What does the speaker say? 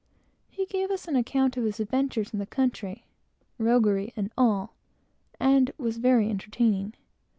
He gave us the whole account of his adventures in the country, roguery and all and was very entertaining.